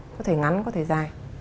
có thể ngắn có thể dài